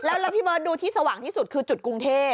แล้วพี่เบิร์ตดูที่สว่างที่สุดคือจุดกรุงเทพ